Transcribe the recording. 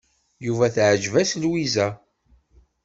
Yuba teɛjeb-as Lwiza.